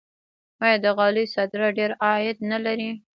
آیا د غالیو صادرات ډیر عاید نلري؟